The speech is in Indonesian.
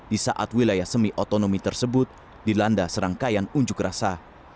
di saat wilayah semi otonomi tersebut dilanda serangkaian unjuk rasa